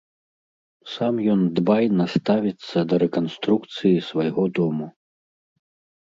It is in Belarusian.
Сам ён дбайна ставіцца да рэканструкцыі свайго дому.